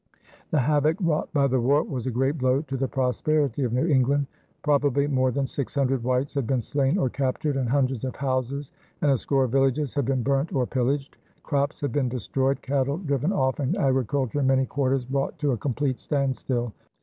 The havoc wrought by the war was a great blow to the prosperity of New England. Probably more than six hundred whites had been slain or captured, and hundreds of houses and a score of villages had been burnt or pillaged; crops had been destroyed, cattle driven off, and agriculture in many quarters brought to a complete standstill.